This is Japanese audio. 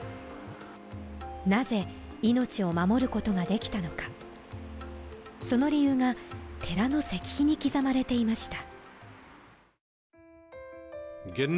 なぜ命を守ることができたのかその理由が寺の石碑に刻まれていました